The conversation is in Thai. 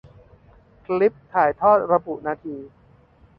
คลิปถ่ายทอด ระบุนาที